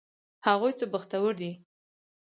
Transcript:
هغوی څه بختور دي!